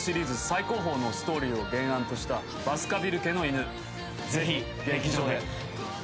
最高峰のストーリーを原案とした『バスカヴィル家の犬』ぜひ劇場で。